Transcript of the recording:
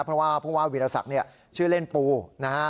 เพราะว่าวีรศักดิ์ชื่อเล่นปูนะฮะ